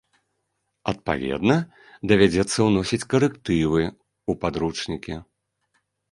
Адпаведна, давядзецца ўносіць карэктывы ў падручнікі.